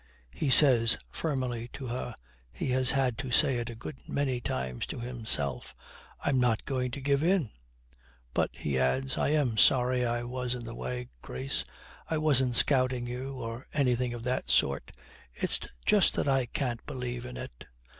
He says firmly to her he has had to say it a good many times to himself, 'I'm not going to give in.' But he adds, 'I am so sorry I was in the way, Grace. I wasn't scouting you, or anything of that sort. It's just that I can't believe in it.'